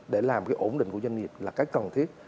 để làm cái ổn định của doanh nghiệp là cái cần thiết